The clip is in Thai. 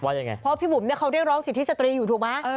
ยังไงเพราะพี่บุ๋มเนี่ยเขาเรียกร้องสิทธิสตรีอยู่ถูกไหม